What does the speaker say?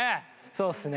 そうですね。